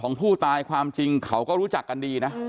ของผู้ตายความจริงเขาก็รู้จักกันดีนะ